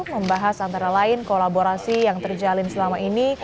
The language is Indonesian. membahas antara lain kolaborasi yang terjalin selama ini